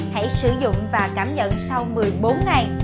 hãy sử dụng và cảm nhận sau một mươi bốn ngày